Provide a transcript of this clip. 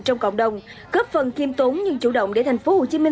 trong cộng đồng góp phần kiêm tốn nhưng chủ động để tp hcm